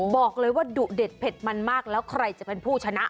บอกเลยว่าดุเด็ดเผ็ดมันมากแล้วใครจะเป็นผู้ชนะ